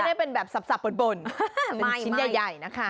ไม่ได้เป็นแบบสับบ่นเป็นชิ้นใหญ่นะคะ